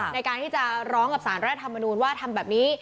ในการที่จะร้องกับสารรัฐธรรมนูญว่าทำแบบนี้